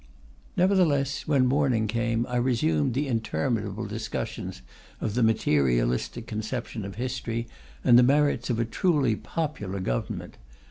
Nevertheless, when morning came I resumed the interminable discussions of the materialistic conception of history and the merits of a truly popular government.